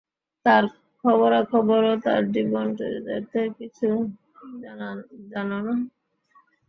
তাঁর খবরাখবর ও তাঁর জীবন-চরিতের কিছু জানে না?